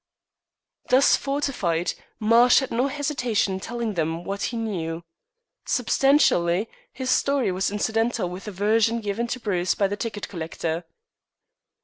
Thus fortified, Marsh had no hesitation in telling them what he knew. Substantially, his story was identical with the version given to Bruce by the ticket collector.